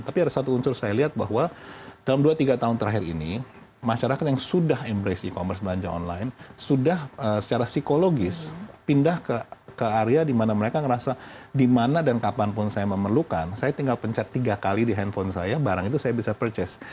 tapi ada satu unsur saya lihat bahwa dalam dua tiga tahun terakhir ini masyarakat yang sudah embrace e commerce belanja online sudah secara psikologis pindah ke area di mana mereka merasa di mana dan kapanpun saya memerlukan saya tinggal pencet tiga kali di handphone saya barang itu saya bisa purches